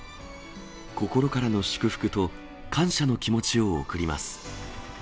心からの祝福と感謝の気持ちを送ります。